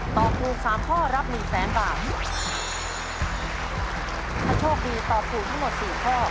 ตอบถูกสามข้อรับหนึ่งแสนบาทถ้าโชคดีตอบถูกทั้งหมดสี่ข้อ